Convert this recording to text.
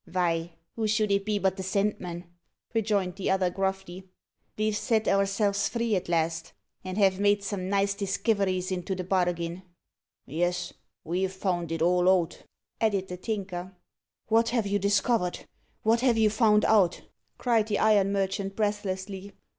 "Vy, who should it be but the Sandman," rejoined the other gruffly. "Ve've set ourselves free at last, and have made some nice diskiveries into the bargin." "Yes, ve've found it all out," added the Tinker. "What have you discovered what have you found out?" cried the iron merchant breathlessly.